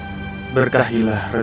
dan jauhkanlah mereka dari kesukaran